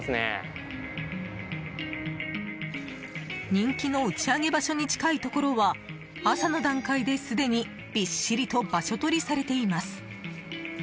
人気の打ち上げ場所に近いところは朝の段階で、すでにびっしりと場所取りされています。